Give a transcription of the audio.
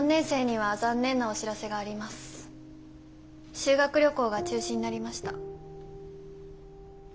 修学旅行が中止になりました。